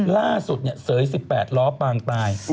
ล่าสุดเนี่ยเสยสิบแปดล้อปางตาย